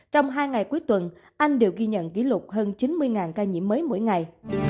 trong hai ngày cuối tuần anh đều ghi nhận kỷ lục hơn chín mươi ca nhiễm mới mỗi ngày